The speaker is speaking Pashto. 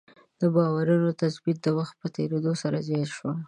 د باورونو تثبیت د وخت په تېرېدو سره زیات شو.